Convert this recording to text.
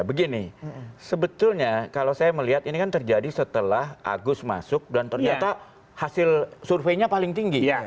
begini sebetulnya kalau saya melihat ini kan terjadi setelah agus masuk dan ternyata hasil surveinya paling tinggi